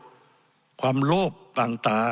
ใช้ความโลบนางตาม